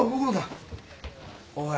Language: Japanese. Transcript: おい。